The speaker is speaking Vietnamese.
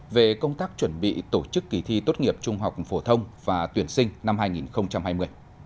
về công tác chuẩn bị tổ chức kỳ thi tốt nghiệp trung học phổ thông và tuyển sinh năm hai nghìn hai mươi